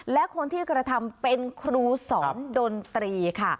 และคนที่กระทำเป็นครูสอนดนตรีค่ะ